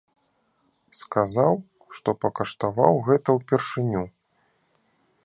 Сказаў, што пакаштаваў гэта ўпершыню.